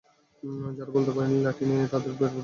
যারা বলতে পারেনি, লাঠি নিয়ে এসে তাদের বেধড়ক মারধর করা হয়।